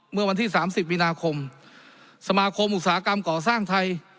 เมื่อวันที่๓๐มีนาคมสมาคมอุตสาหกรรมก่อสร้างไทย